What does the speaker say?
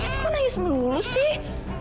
tapi kok nangis melulu sih